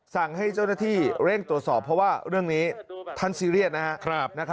สั่งให้เจ้าหน้าที่เร่งตรวจสอบเพราะว่าเรื่องนี้ท่านซีเรียสนะครับ